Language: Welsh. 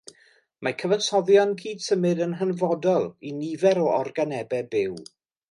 Mae cyfansoddion cydsymud yn hanfodol i nifer o organebau byw.